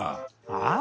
ああ？